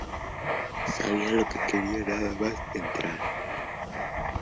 Sabia lo que quería nada más entrar".